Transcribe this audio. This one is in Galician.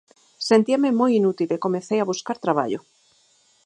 Sentíame moi inútil e comecei a buscar traballo.